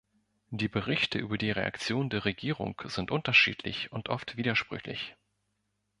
Die Berichte über die Reaktion der Regierung sind unterschiedlich und oft widersprüchlich.